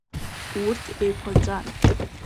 Урҭ еиқәаҵәан.